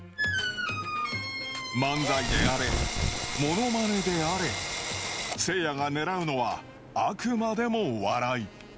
漫才であれモノマネであれせいやが狙うのはあくまでも笑い。